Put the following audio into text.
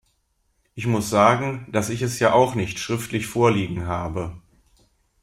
Ich muss sagen, dass ich es ja auch nicht schriftlich vorliegen habe.